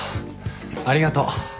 ありがとう。